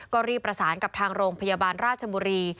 ก็รีบประสานกับทางโรงพยาบาลราชบุรี